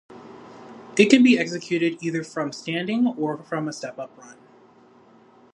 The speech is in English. It can be executed either from standing or from a step up run.